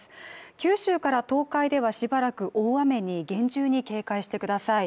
九州から東海ではしばらく大雨に厳重に警戒してください。